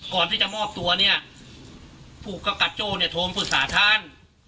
ก่อนที่จะมอบตัวเนี่ยผู้กำกับโจ้เนี่ยโทรปรึกษาท่าน